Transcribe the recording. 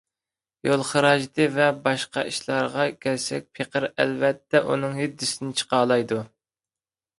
يول خىراجىتى ۋە باشقا ئىشلارغا كەلسەك، پېقىر ئەلۋەتتە ئۇنىڭ ھۆددىسىدىن چىقالايدۇ.